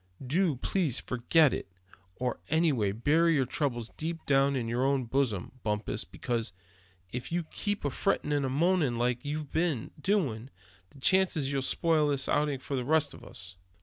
Do please forget it; or anyway bury your troubles deep down in your own bosom, Bumpus; because, if you keep on frettin' and moanin' like you've been doing, the chances are you'll spoil this outing for the rest of us."